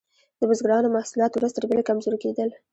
د بزګرانو محصولات ورځ تر بلې کمزوري کیدل.